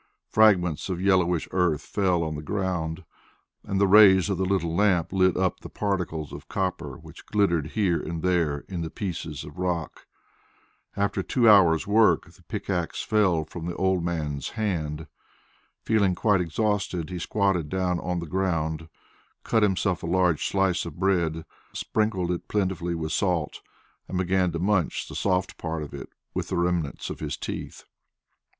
Fragments of yellowish earth fell on the ground, and the rays of the little lamp lit up the particles of copper which glittered here and there in the pieces of rock. After two hours' work the pickaxe fell from the old man's hand. Feeling quite exhausted, he squatted down on the ground, cut himself a large slice of bread, sprinkled it plentifully with salt, and began to munch the soft part of it with the remnants of his teeth.